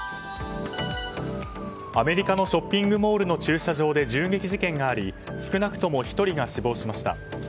アメリカのショッピングモールの駐車場で銃撃事件があり少なくとも１人が死亡しました。